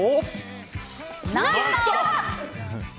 「ノンストップ！」。